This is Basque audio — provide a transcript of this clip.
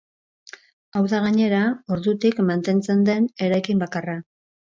Hau da gainera ordutik mantentzen den eraikin bakarra.